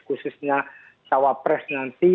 khususnya sawah pres nanti